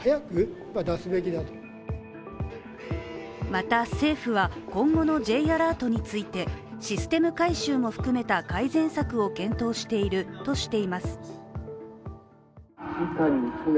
また、政府は今後のＪアラートについてシステム改修も含めた改善策を検討しているとしています。